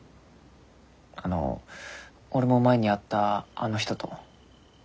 あの俺も前に会ったあの人と。